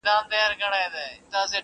ضميرونه لا هم بې قراره دي